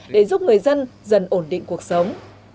để giúp người dân dần ổn định cuộc sống